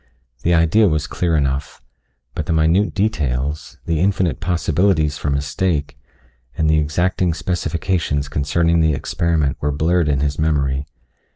The idea was clear enough, but the minute details, the infinite possibilities for mistake, and the exacting specifications concerning the experiment were blurred in his memory.